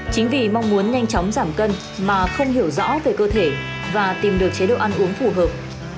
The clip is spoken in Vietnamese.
chính vì mong muốn nhanh chóng giảm cân mà không hiểu rõ về cơ thể và tìm được chế độ ăn uống phù hợp